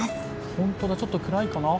本当だ、ちょっと暗いかな。